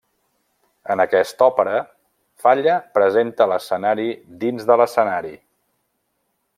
En aquesta òpera, Falla presenta l'escenari dins de l'escenari.